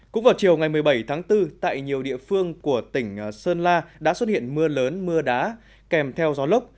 cũng vào chiều ngày một mươi bảy tháng bốn tại nhiều địa phương của tỉnh sơn la đã xuất hiện mưa lớn mưa đá kèm theo gió lốc